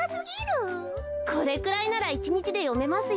これくらいならいちにちでよめますよ。